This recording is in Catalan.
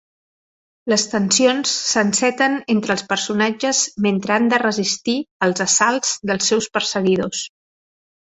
Les tensions s'enceten entre els personatges mentre han de resistir als assalts dels seus perseguidors.